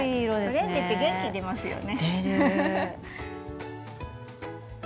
オレンジって元気出ますよね。